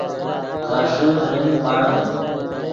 غیݰے ترنگ باڑیم